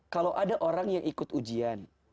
kalau ada orang yang ikut ujian